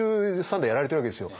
５３代やられてるわけですよ。